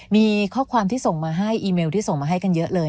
มีข้อความที่ส่งมาให้อีเมลที่ส่งมาให้กันเยอะเลย